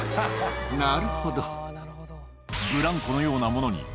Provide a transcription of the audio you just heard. なるほど。